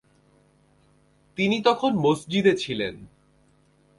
তিনি তখন মসজিদে ছিলেন।